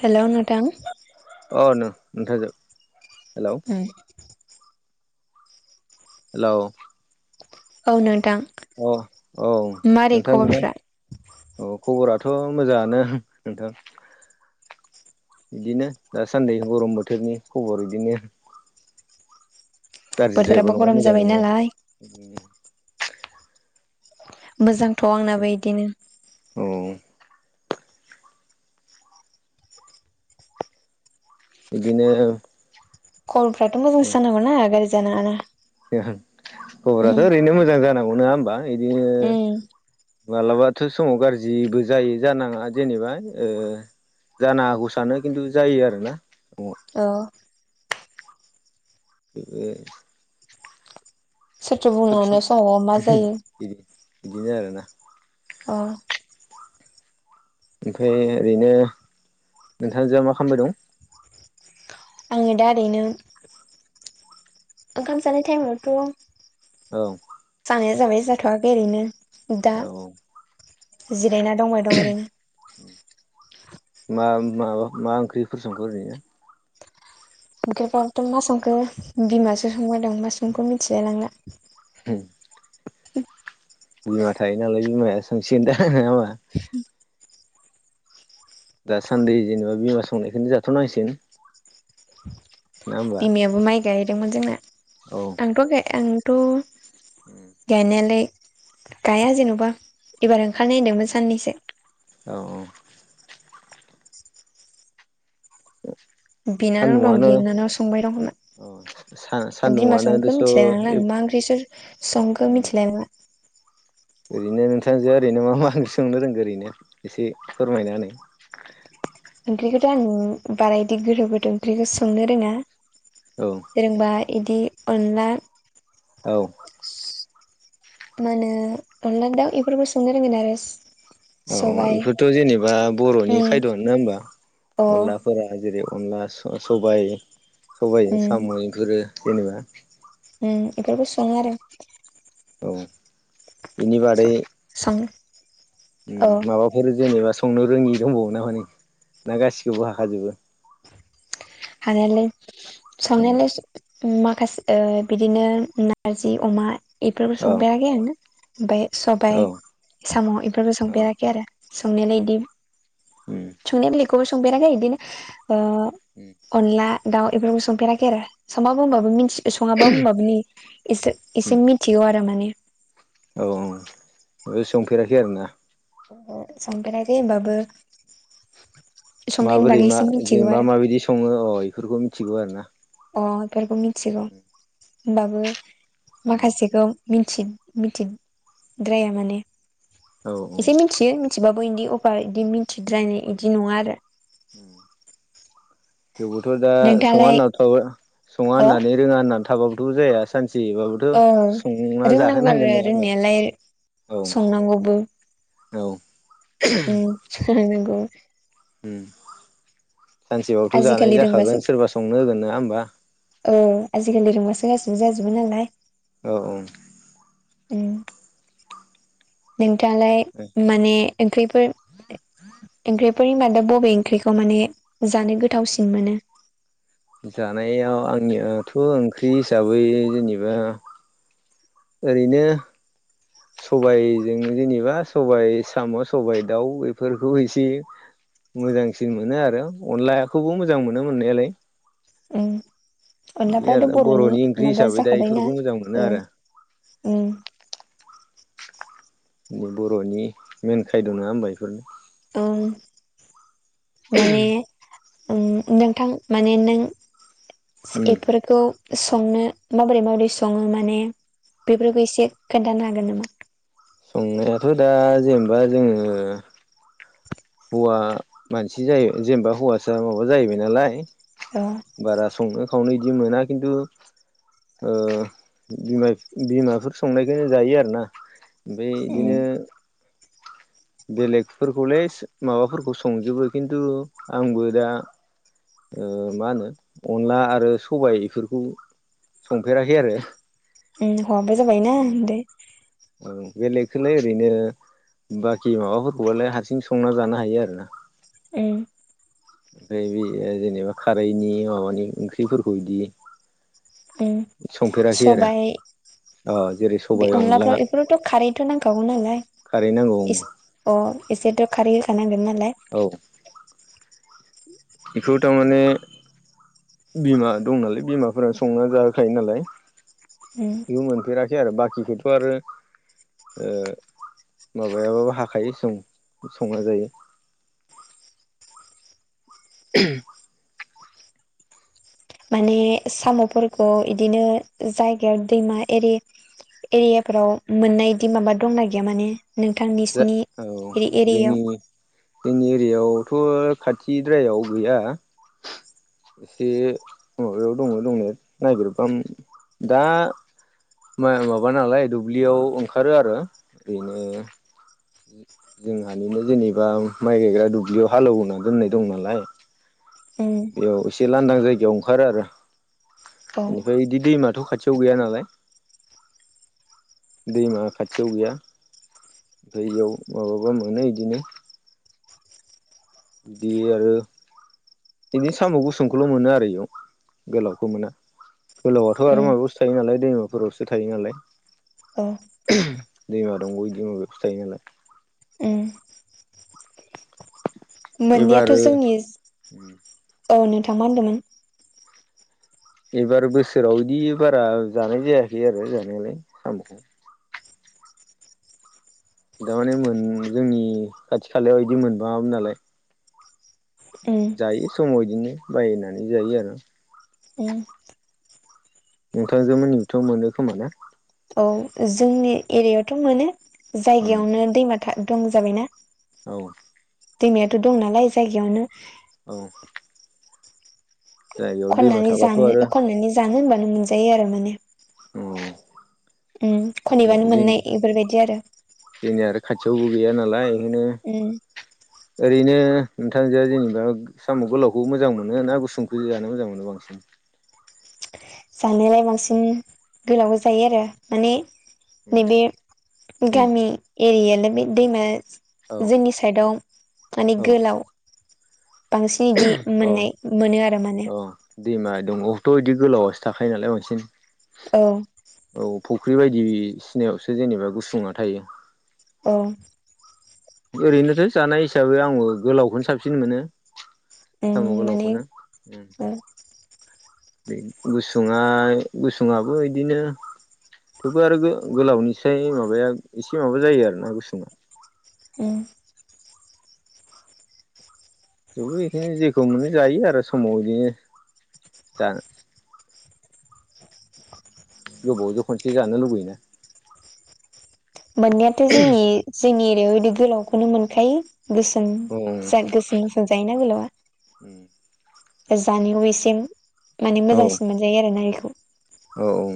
हेल' नोंथान अ नों नोंथांजों हेल हाय हेलौ औ नोंथां अ औ मारै नोंथां बिनो खबरफ्रा अ खबराथ' मोजाङानो नोंथां बिदिनो दासान्दि गरम बोथोरनि खबर बिदिनो बोथोराबो गरम जाबाय नालाय ओम नो मोजांथ' आंनाबो इदिनो औ बिदिनो खलफ्राथ' मोजांसो जानांगौना गाज्रि जानाङा ना ओहो खबराथ' ओरैनो मोजां जानांगौ नङा होमबा इदिनो उम मालाबाथ' समाव गारजिबो जायो जानाङा जेनेबा ओ जानो हागौ सानो खिन्थु जायो आरोना नङा अ ओओ सोरथो बुंनो जोबस्रां हानो समाव मा उमहो जायो बिदि बिदिनो आरोना अ ओमफाय ओरैनो नोंथांजोहा मा खालामबाय दं? आङो दा ओरैनो ओंखाम जानाय टाइमावथ' औ जानाया जाबाय जाथ'वाखै ओरैनो दा औ जिरायना दंबाय दं ओरैनो मा माबा मा ओंख्रिफोर संखो ओरैनो ओंख्रिफ्राथ' मा संखो बिमासो संबाय दों मा संखो मिथिलाय लांला हो बिमा थायो नालाय बिमाया संसिगोन दा नङा होमबा दासान्दि जोङो बिमा संनायखोनो जाथ'नांसिन बिमायाबो माइ गायहैदोंमोन जोंना औ आंथ' गाया आंथ' औ गायनायलाय गाया जेन'बा एबार ओंखार नायदोंमोन साननैसो औ अ ओ बिनानाव दं गिनानाव संबाय दं खोमा औ बिमा सान्दुंआनो संखो दस' मिथिलाय लांला आं ओरैनो मा ओंख्रिसो संखो मिथिलाय लांला ओरैनो नोंथांजोआ ओरैनो मा मा ओंख्रि संनो रोंगो ओरैनो एसे फोरमायना होनाय ओंख्रिखौथ' आं बारा इदि गोरो बोदो ओंख्रिखौ संनो रोङा। औ रोंबा इदि अनला औ मा होनो अनलानि दाउ इफोरखो संनो रोंगोन आरोस औ इफोरथ' जेनेबा बर'नि उम खायद'आनो होमबा अ अनला फोरा जेरै अनला स सबाय सबाइजों उम साम' इफोरो जेनेबा उम इफोरखो सङो आरो औ बेनि बादै सां उम माबाफोर जेनेबा संनो रोङि दंबावो नामा नोङो ना गासिखौबो हाखाजोबो हानायालाय उम संनायालाय उम माखासे बिदिनो नारजि अमा एफोरबो औ संफेराखै आङो ओमफ्राय औ सबाय साम' बेफोरबो औ संफेराखै आरो संनायालाय इदि ह संनाय बिलाइखौबो संफेराखै बिदिनो उम अनला दाउ बेफोरखौ संफेराखै आरो सङाबो होनबाबो मिथि सङाबाबो होनबाबो नि एसे उम एसे मिथिगौ आरो माने औ औ बो संफेराखै आरोना ए संफेराखै होमबाबो माबोरै मा एसे जों मिथिगौ मा आरो माबायदि सङो अ इफोरखौ मिथिगौ आरो ना अ बेफोरखौ मिथिगौ होनबाबो माखासेखौ मिनथि मिनथिद्राया माने औ औ एसे मिनथियो थिबाबो बिदि अभार बिदि मिन्थिद्रायनाय बिदि नङा आरो थेवबोथ' दा सङा नोंथाङालाय होनना थ' सङा होननानै औ रोङा होननानै थाबाबोथ' जाया सानसेबाबो थ' संना रोंनांगौ जाहोनांगोन आरो नङा होनबा रोंनायालाय संनांगौबो औ औ उम [inaudible] नांगौ उम सानसेबाबोथ' जानाय आजिखालि रोंबासो जाखागोन सोरबा संनो होगोन नङा होमबा औ आजिखालि रोंबासो गासैबो जाजोबो नालाय औ औ उम नोंथालाय ओ माने ओंख्रिफोर ओंख्रिफोर इयान दा बबे ओंख्रिखौ माने जानो गोथावसिन मोनो जानायाव आंनियाथ' ओंख्रि हिसाबै जेनेबा ओरैनो सबायजों जेनेबा सबाय साम' सबाइ दाउ बेफोरखौ एसे मोजांसिन मोनो आरो अनलाखौबो मोजां मोनो मोननायालाय उम बिदि अनलाफ्राथ' आरो बर'नि ओंख्रि माबा हिसाबै दा जाखाबायना बेफोरखौ मोजां मोनो ओ आरो उ बे बर'नि मेन खायद' नङा होमबा बेफोरनो ओं माने ओम नोंथां माने नों एफोर खौ संनो माबोरै माबोरै सङो माने बेफोरखौ एसे खोन्थानो हागोन नामा संनायाथ' दा जेनेबा जोङो हौवा मानसि जायो जेनेबा हौवासा माबा जाहैबाय नालाय थ' बारा संनो खावनो बिदि मोना खिन्थु ओ बिमा बिमाफोर संनायखौनो जायो आरोना ओमफ्राय उम बिदिनो बेलेगफोरखौलाय माबाफोरखौ संजोबो खिन्थु आंबो दा मा होनो अनला आरो सबाय बेफोरखौ संफेराखै आरो ओम हौवाबो जाबाय ना होनदो ओ बेलेगखौलाय ओरैनो बाखि माबाफोरखौबालाय हारसिं संना जानो हायो आरो ना उम ओइ बे जेनेबा खारैनि माबानि ओंख्रिफोरखौ इदि उम आरो सबाय अ जेरै बे सबाइ अनला अनलाफ्राव बेफोरावथ' खारैथ' नांखागौ नालाय खारै नांगौ ओं इस अ एसेथ' खारै होखानांगोन नालाय। औ। बेखौ थारमाने बिमा दं नालाय बिमाफोरा संना जाहोखायो नालाय। उम बेयाव मोनफेराखै आरो बाखिखौथ' आरो ओ माबायाबाबो हाखायो संना जायो। [unintelligible] माने साम'फोरखौ इदिनो जायगायाव दैमा एरि एरियाफोराव मोननायदि माबा दंना गैया माने जा नोंथांनिसिनि औ जोंनि एरियायाव जोंनि एरियाआवथ' खाथिद्रायाव गैया। एसे माबायाव दङ दंने नागिरबा दा मा माबा नालाय दुब्लियाव ओंखारो आरो ओरैनो जोंहानिनो जेनेबा माइ गायग्रा दुब्लियाव हालौवना दोननाय दं नालाय। उम बेयाव एसे लांदां जायगायाव ओंखारो आरो औ बेनिफ्राय बिदि दैमाथ' खाथियाव गैया नालाय। दैमा खाथियाव गैया ओमफ्राय बेयाव माबाबो मोनो इदिनो बिदि आरो बिदिनो साम' गुसुंखौल' मोनो आरो इयाव गोलावखौ मोना। गोलावआ थ' आरो उम माबायावसो थायो नालाय दैमाफोरावसो थायो नालाय। अ। दैमा दंग बिदि माबायावसो थायो नालाय। उम एबार मोननायाथ' जोंनि औ नोंथां मा होनदोंमोन। एबार बोसोराव बिदि बारा जानाय जायाखै आरो जानायालाय साम'खौ। थारमाने मोन जोंनि खाथि खालायाव बिदि मोनबाङामोन नालाय। उम जायो समाव इदिनो बायनानै जायो आरो। उम नोंथांजों मोनिथ' मोनो खोमा ना। औ जोंनि एरियायावथ' मोनो उम जायगायावनो दैमा था दं जाबायना। औ। दैमायाथ' दं नालाय जायगायावनो औ। जायगायाव दैमा खननानै थाबाथ' आरो जानो खननानै जानो होनबानो मोनजायो आरो माने औ। उ खनैबानो मोननाय इफोरबायदि आरो। जोंनिया आरो खाथियावबो गैया नालाय बेखायनो ओम। ओरैनो नोंथांजोआ जेनेबा साम' गोलावखौ मोजां मोनो ना गुसुंखौ जानो मोजां मोनो बांसिन। जानायलाय बांसिन गोलाव जायो आरो माने उम नैबे गामि एरियालाय बे दैमा औ जोंनि साइदआव माने औ गोलाव बांसिन इदि औ मोननाय मोनो आरो औ माने दैमा दं थ' बिदि गोलावसो थाखायो नालाय बांसिन औ। औ फुख्रि बायदिसिनायावसो जेनेबा गुसुंआ थायो। औ ओरैनोथ' जानाय हिसाबै आंबो गोलावखौनो साबसिन मोनो। उम साम' माने गोलावखौनो उम। ओ गुसुङा गुसुआबो बिदिनो थेवबो आरो गो- गोलावनिसाय माबाया एसे माबा जायो आरोना गुसुंआ। ओम। थेवबो बेखोनो जेखौ मोनो जायो आरो समाव बिदिनो दा। गोबावजों खनसे जानो लुबैयोना। मोननायाथ' जोंनि -जोंनि एरिायाव बिदि गोलावखौनो मोनखायो गोसोम औ गोसोम गोसोम जायोना गोलावा [unintelligible] जानायाव एसे माने औ मोजांसिन मोनजायो आरो ना इखौ औ औ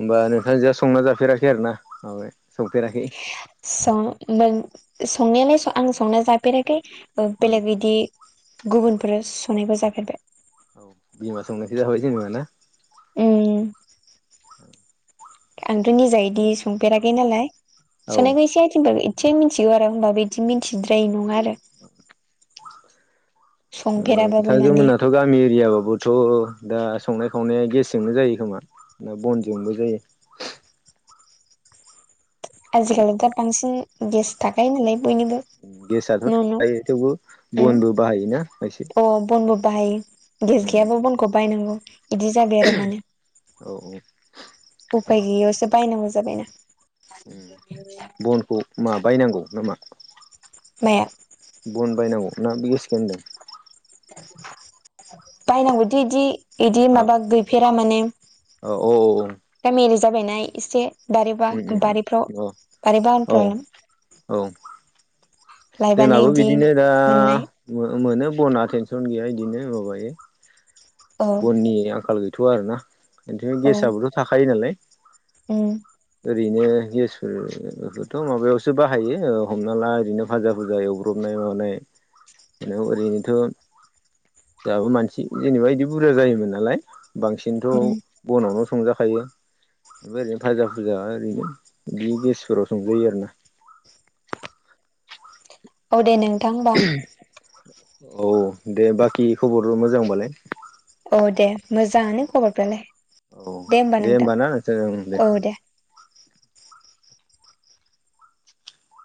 होमबा नोंथांजोंहा संना जाफेराखै आर ना माबाय सौफेराखै सं- संनायालाय आं संना जाफेराखै ओ उम बेलेग बिदि गुबुनफोर संनायबो जागेरबाय औ बिमा संनायखौ जाबाय ओम आंथ' निजा इदि संफेराखै नालाय औ संनायखौ एसे आइथिंफोर इसे मिथिगौ आरो होनबाबो बिदि मिथिद्रायि नङा आरो। ओ संफेराबाबो माने नोंथांमोनहा दाथ' गामि एरियायावबोथ' दा संनाय खावनाया गेसेजोंनो जायो खोमा। ना बनजोंबो जायो। आजिखालि दा बांसिन गेस थाखायो नालाय बयनिबो गेसाथ' न' न' थायो थेवबो उम बनबो बाहायोना खायसे अ बनबो बाहायो गेस उम गैयाबा बनखौ बायनांगौ बिदि जाबाय आरो माने औ औ उफाय गैयियावसो बायनांगौ जाबायना। ओम बनखौ मा बायनांगौ नामा। माया। बन बायनांगौ ना बे गेसखौ होनदों बायनांगौदि इदि इदि औ माबा गैफेरा माने औ औ गामियारि जाबायना एसे बारिबा उम उम उम बारिफ्राव अ औ [unintelligible] औ लायबानो जोंनाबो इदि बिदिनो दा मोननाय मोनो बना टेनसन गैया बिदिनो माबायो। औ बननि आंखाल गैथ'आ आरोना इदिनो गेसाबोथ' थाखायो नालाय ओम। ओरैनो गेसफोरफोरखौथ' माबायावसो बाहायो हमना ला ओरैनो भाजा भुजा एवब्रबनाय मानाय बे ओरैनोथ'। दाबो मानसि जेनेबा इदि बुरजा जायोमोन नालाय बांसिनथ' उम बनावनो संजाखायो फ्राय ओरैनो भाजा भुजा ओरैनो बि गेसफोराव संजायो आरो ना। औ दे नोंथां होमबा। औ दे बाखि खबरबो मोजांबालाय। औ दे मोजाङानो खबरफ्रालाय औ दे होमबा नोंथां औ दे।